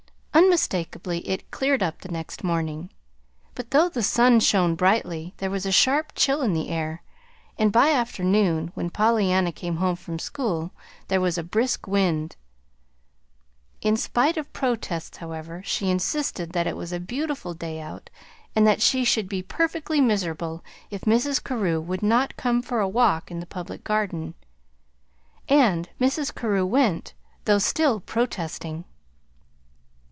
Unmistakably it "cleared up" the next morning. But, though the sun shone brightly, there was a sharp chill in the air, and by afternoon, when Pollyanna came home from school, there was a brisk wind. In spite of protests, however, she insisted that it was a beautiful day out, and that she should be perfectly miserable if Mrs. Carew would not come for a walk in the Public Garden. And Mrs. Carew went, though still protesting.